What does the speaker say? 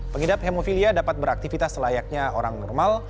pengidap hemofilia dapat beraktivitas selayaknya orang normal